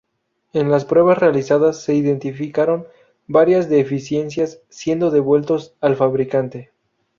En las pruebas realizadas se identificaron varias deficiencias, siendo devueltos al fabricante.